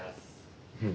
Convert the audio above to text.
うん。